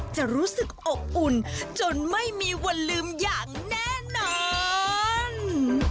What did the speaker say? จะรู้สึกอบอุ่นจนไม่มีวันลืมอย่างแน่นอน